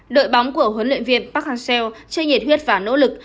đội bóng của huấn luyện viên park hang seo chưa nhiệt huyết và nỗ lực